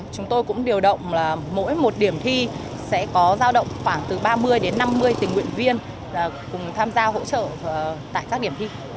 chúng tôi cũng điều động mỗi một điểm thi sẽ có giao động khoảng từ ba mươi đến năm mươi tình nguyện viên cùng tham gia hỗ trợ tại các điểm thi